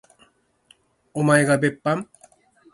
おまえが別班？